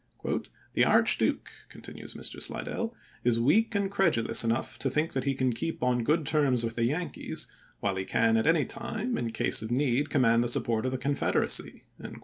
" The Archduke," continues Mr. Slidell, "is weak and credulous enough to think that he can keep on good terms with the Yankees, while he can at any time in case of need command the support of the Confederacy."